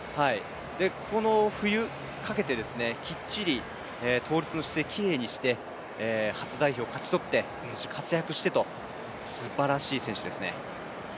この冬かけて、きっちり倒立の姿勢をきれいにして初代表を勝ち取って活躍してと、すばらしい選手ですね。